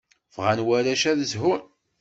Bɣan warrac ad zhun.